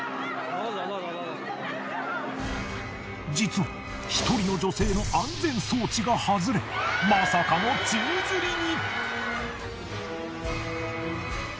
実は１人の女性の安全装置がはずれまさかの宙づりに！